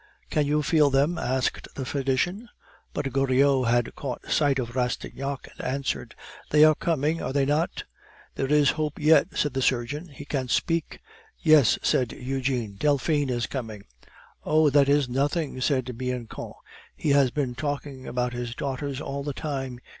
"Can you feel them?" asked the physician. But Goriot had caught sight of Rastignac, and answered, "They are coming, are they not?" "There is hope yet," said the surgeon; "he can speak." "Yes," said Eugene, "Delphine is coming." "Oh! that is nothing!" said Bianchon; "he has been talking about his daughters all the time.